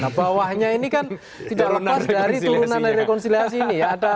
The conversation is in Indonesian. nah bawahnya ini kan tidak lepas dari turunan dari rekonsiliasi ini ya